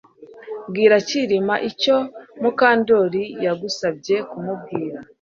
Bwira Kirima icyo Mukandoli yagusabye kumubwira